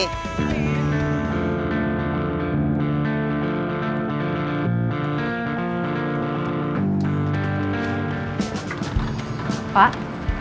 di rumah pak